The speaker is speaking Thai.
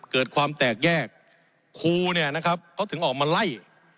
เกิดความแตกแยกครูเนี่ยนะครับเขาถึงออกมาไล่